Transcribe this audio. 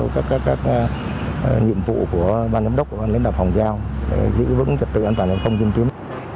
các nhiệm vụ của ban giám đốc của ban lĩnh đạo phòng giao để giữ vững trật tựa an toàn giao thông diễn tuyến